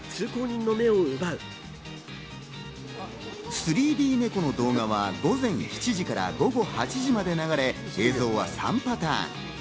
３Ｄネコの動画は午前７時から午後８時まで流れ、映像は３パターン。